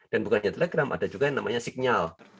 dan bukannya telegram ada juga yang namanya signal